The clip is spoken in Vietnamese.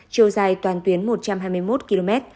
chiều dài toàn tuyến một trăm hai mươi một km